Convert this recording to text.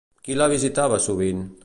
Qui la visitava sovint?